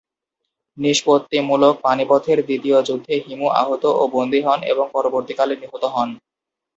নিষ্পত্তিমূলক পানিপথের দ্বিতীয় যুদ্ধে হিমু আহত ও বন্দি হন এবং পরবর্তীকালে নিহত হন।